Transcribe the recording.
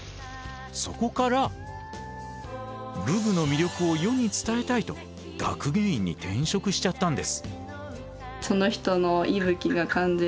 そこから武具の魅力を世に伝えたいと学芸員に転職しちゃったんです。